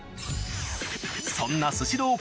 そんな「スシロー」